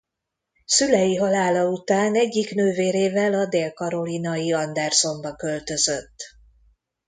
Szülei halála után egyik nővérével a dél-carolina-i Andersonba költözött.